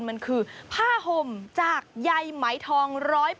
มันคือผ้าห่มจากใยไหมทอง๑๐๐